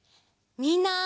みんな。